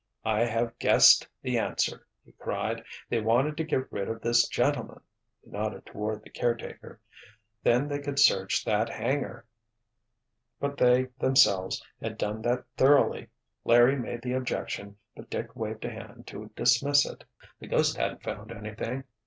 "I have guessed the answer," he cried. "They wanted to get rid of this gentleman," he nodded toward the caretaker. "Then they could search that hangar——" But they, themselves, had done that thoroughly! Larry made the objection but Dick waved a hand to dismiss it. "The ghost hadn't found anything.